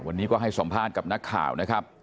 วันนี้ก็ให้สัมภาษณ์กับนักข่าวนะครับ